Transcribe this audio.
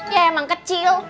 ya emang kecil